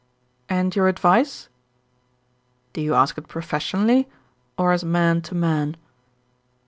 "And your advice?" "Do you ask it professionally, or as man to man?"